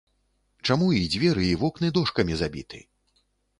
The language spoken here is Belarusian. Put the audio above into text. Чаму і дзверы і вокны дошкамі забіты?